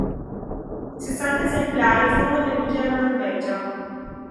Sessanta esemplari furono venduti alla Norvegia.